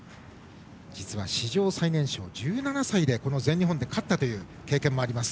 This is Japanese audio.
実は、史上最年少１７歳でこの全日本で勝った経験もあります。